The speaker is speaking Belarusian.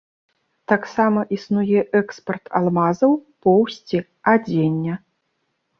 Таксама існуе экспарт алмазаў, поўсці, адзення.